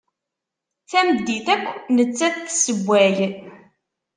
Tameddit akk nettat tessewway.